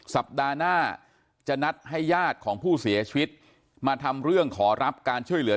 สัปดาห์หน้าจะนัดให้ญาติของผู้เสียชีวิตมาทำเรื่องขอรับการช่วยเหลือ